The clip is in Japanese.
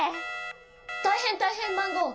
たいへんたいへんマンゴー。